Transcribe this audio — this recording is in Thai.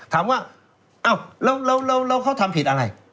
ถามว่าอ้าวแล้วเขาทำผิดอะไร